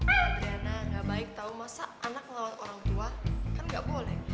adriana gak baik tau masa anak lawan orang tua kan gak boleh